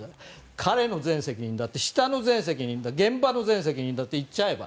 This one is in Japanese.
彼の全責任だ、下の全責任だと現場の全責任だと言っちゃえば。